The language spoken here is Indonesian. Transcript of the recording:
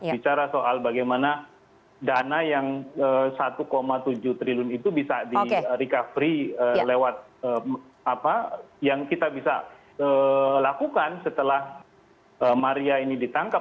bicara soal bagaimana dana yang satu tujuh triliun itu bisa di recovery lewat apa yang kita bisa lakukan setelah maria ini ditangkap